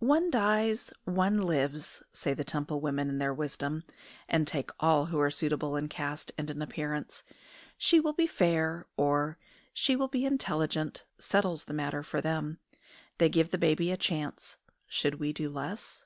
"One dies, one lives," say the Temple women in their wisdom, and take all who are suitable in caste and in appearance. "She will be 'fair,'" or, "She will be intelligent," settles the matter for them. They give the baby a chance: should we do less?